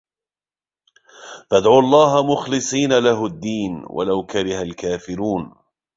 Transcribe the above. فَادْعُوا اللَّهَ مُخْلِصِينَ لَهُ الدِّينَ وَلَوْ كَرِهَ الْكَافِرُونَ